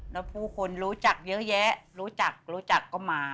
แล้วผู้คนรู้จักเยอะแยะรู้จักรู้จักก็มา